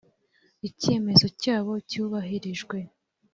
icyemezo cyabo cyubahirijwe.